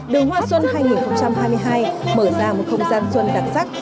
đường hoa xuân hai nghìn hai mươi hai mở ra một không gian xuân đặc sắc